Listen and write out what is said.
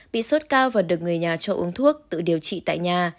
bị sốt cao và được người nhà cho uống thuốc tự điều trị tại nhà